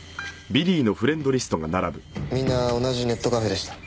みんな同じネットカフェでした。